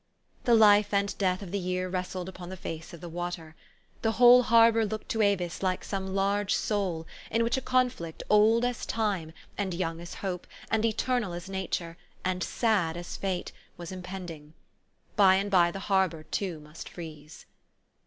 The life and death of the year wrestled upon the face of the water. The whole harbor looked to Avis like some large soul, in which a conflict old as iime, and young as hope, and eternal as nature, and sad as fate, was impending. By and by the harbor, too, must freeze.